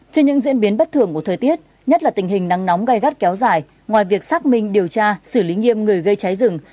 trên những diễn biến bất thường của thời tiết nhất là tình hình nắng nóng gai gắt kéo dài ngoài việc xác minh điều tra xử lý nghiêm người gây cháy rừng